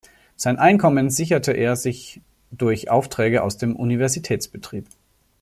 Sein Einkommen sicherte er sich durch Aufträge aus dem Universitätsbetrieb.